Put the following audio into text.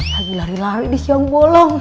lagi lari lari di siang bolong